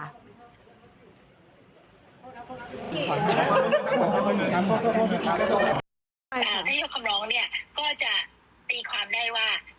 ถ้ายกคำร้องเนี่ยก็จะตีความได้ว่า